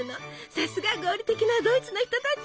さすが合理的なドイツの人たち！